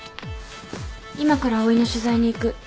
今からＡＯＩの取材に行く。